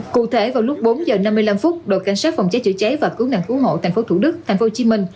cụ thể vào lúc bốn h năm mươi năm đội cảnh sát phòng cháy chữa cháy và cứu nạn cứu hộ tp hcm